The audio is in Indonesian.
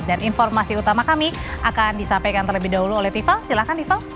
dan informasi utama kami akan disampaikan terlebih dahulu oleh tifang silahkan tifang